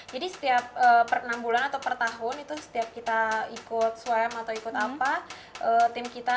jadi setiap enam bulan atau per tahun itu setiap kita ikut suam atau ikut apa